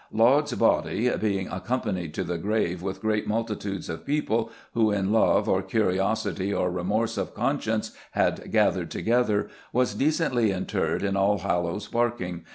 Laud's body, "being accompanied to the grave with great multitudes of people, who in love, or curiosity, or remorse of conscience had gathered together, was decently interred in Allhallows Barking